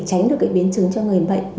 để tránh được cái biến chứng cho người bệnh